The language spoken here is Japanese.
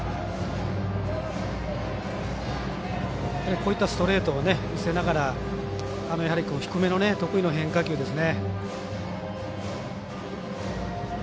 こういったストレートを見せながら低めの得意の変化球ですね。